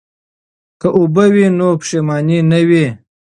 که اوبه وي نو پښیماني نه وي.